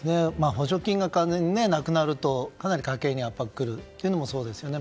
補助金が完全になくなるとかなり家計に圧迫が来るというのもそうですね。